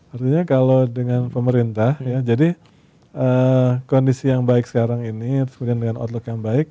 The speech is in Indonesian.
artinya kalau dengan pemerintah ya jadi kondisi yang baik sekarang ini kemudian dengan outlook yang baik